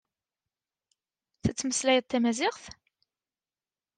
Yettmeslay tamaziɣt?